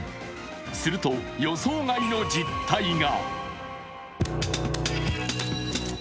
すると予想外の実態が。